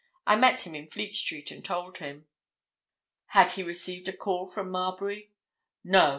I met him in Fleet Street and told him." "Had he received a call from Marbury?" "No!